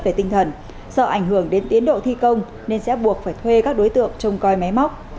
trong khi liên hệ tinh thần do ảnh hưởng đến tiến độ thi công nên sẽ buộc phải thuê các đối tượng trông coi máy móc